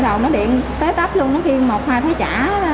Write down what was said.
lúc đầu nó điện tới tấp luôn nó kêu một hai phải trả